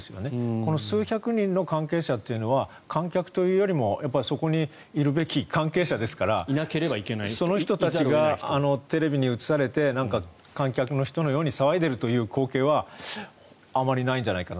この数百人の関係者というのは観客というよりもそこにいるべき関係者ですからその人たちがテレビに映されて観客の人のように騒いでるという光景はあまりないんじゃないかな。